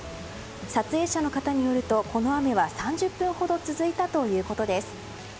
撮影者の方によると、この雨は３０分ほど続いたということです。